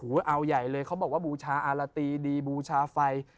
ว่าบูชาอารตีดีบูชาไฟ